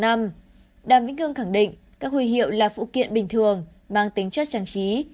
đàm vĩnh hương khẳng định các huy hiệu là phụ kiện bình thường mang tính chất trang trí